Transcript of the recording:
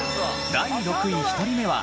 第６位２人目は。